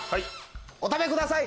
お食べください！